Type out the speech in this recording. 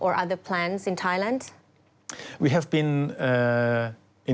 เราอยู่ในไทยยังอยู่๑๐๐ปี